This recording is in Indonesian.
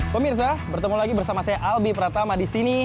pemirsa bertemu lagi bersama saya albi pratama di sini